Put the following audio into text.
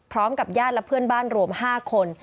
พร้อมกับญาติและเพื่อนบ้านรวม๕คน